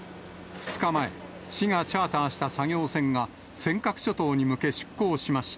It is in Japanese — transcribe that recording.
２日前、市がチャーターした作業船が、尖閣諸島に向け出港しました。